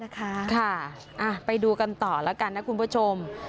ค่ะไปดูกันต่อแล้วกันนะคุณผู้ชม